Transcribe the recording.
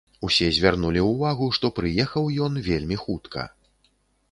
Усе звярнулі ўвагу, што прыехаў ён вельмі хутка.